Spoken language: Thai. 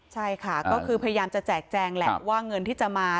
ใช่ค่ะก็คือพยายามจะแจกแจงแหละว่าเงินที่จะมา